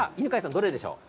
どうでしょう？